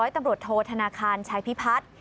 ตำรวจโทษธนาคารชายพิพัฒน์